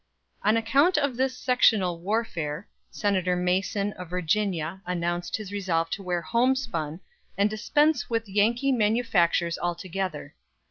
"On account of this sectional warfare," Senator Mason, of Virginia, announced his resolve to wear homespun, and dispense with Yankee manufactures altogether.